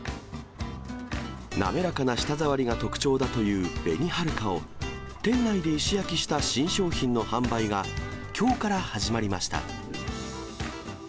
滑らかな舌触りが特徴だという紅はるかを、店内で石焼きした新商品の販売が、きょうから始まりました。